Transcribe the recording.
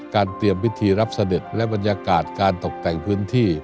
เตรียมพิธีรับเสด็จและบรรยากาศการตกแต่งพื้นที่